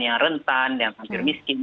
yang rentan yang hampir miskin